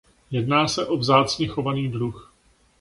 Jedná se o vzácně chovaný druh.